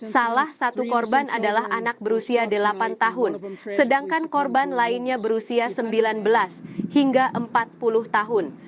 salah satu korban adalah anak berusia delapan tahun sedangkan korban lainnya berusia sembilan belas hingga empat puluh tahun